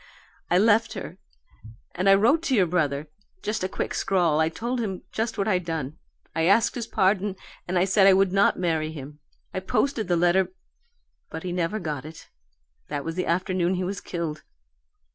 I left her, and I wrote to your brother just a quick scrawl. I told him just what I'd done; I asked his pardon, and I said I would not marry him. I posted the letter, but he never got it. That was the afternoon he was killed.